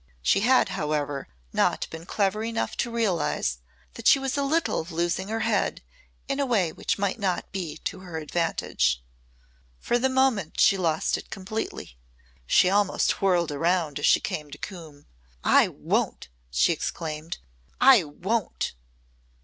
She had however not been clever enough to realise that she was a little losing her head in a way which might not be to her advantage. For the moment she lost it completely. She almost whirled around as she came to Coombe. "I won't," she exclaimed. "I won't!"